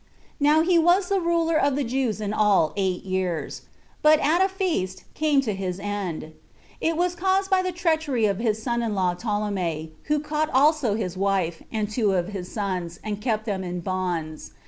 4. Now he was the ruler of the Jews in all eight years; but at a feast came to his end. It was caused by the treachery of his son in law Ptolemy, who caught also his wife, and two of his sons, and kept them in bonds.